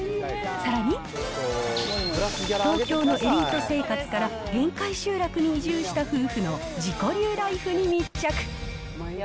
さらに、東京のエリート生活から限界集落に移住した夫婦の自己流ライフに密着。